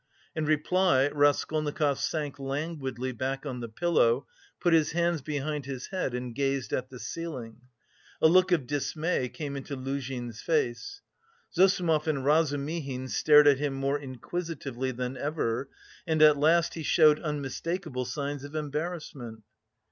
In reply Raskolnikov sank languidly back on the pillow, put his hands behind his head and gazed at the ceiling. A look of dismay came into Luzhin's face. Zossimov and Razumihin stared at him more inquisitively than ever, and at last he showed unmistakable signs of embarrassment.